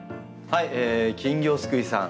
金魚すくいさん。